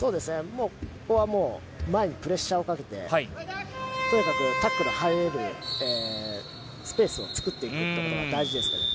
ここはもう前にプレッシャーをかけてとにかくタックルを入れるスペースを作っていくことが大事ですね。